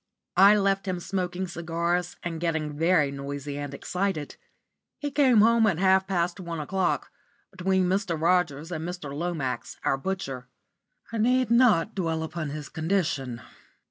I left him smoking cigars, and getting very noisy and excited. He came home at half past one o'clock, between Mr. Rogers and Mr. Lomax, our butcher. I need not dwell upon his condition.